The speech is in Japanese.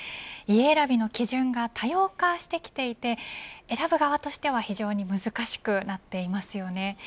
家選びの基準が多様化してきていて選ぶ側としては非常に難しくなっていますよね。